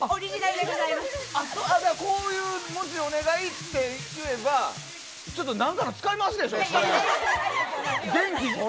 こういう文字お願いって言えば何かの使い回しでしょ。